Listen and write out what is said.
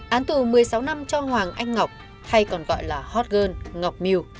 án tù một mươi sáu năm cho hoàng anh ngọc hay còn gọi là hot girl ngọc miu